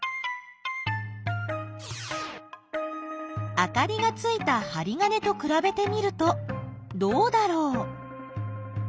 あかりがついたはり金とくらべてみるとどうだろう？